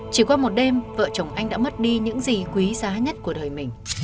chỉ qua một đêm vợ chồng anh đã mất đi những gì quý giá nhất của đời mình